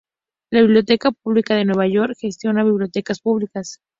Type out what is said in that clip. La Biblioteca Pública de Nueva York gestiona bibliotecas públicas.